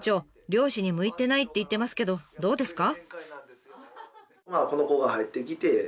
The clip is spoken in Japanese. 漁師に向いてないって言ってますけどどうですか？